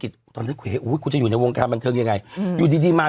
วันนี้ดูอยู่มั้ยพี่หนุ่ม